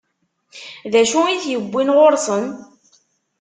D acu i t-iwwin ɣur-sen?